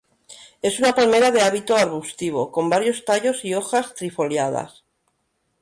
Es una palmera de hábito arbustivo, con varios tallos y hojas trifoliadas.